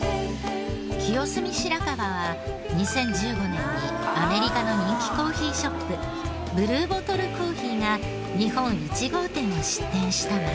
清澄白河は２０１５年にアメリカの人気コーヒーショップブルーボトルコーヒーが日本１号店を出店した街。